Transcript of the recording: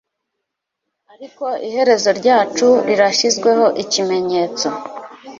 ariko iherezo ryacu rirashyizweho ikimenyetso